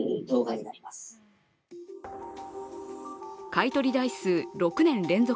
買取台数６年連続